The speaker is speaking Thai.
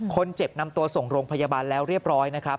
คนเจ็บนำตัวส่งโรงพยาบาลแล้วเรียบร้อยนะครับ